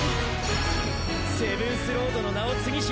セブンスロードの名を継し